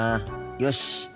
よし。